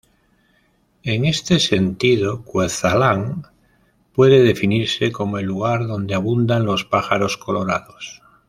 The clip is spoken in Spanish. En este sentido, Cuetzalan puede definirse como el "lugar donde abundan los pájaros colorados".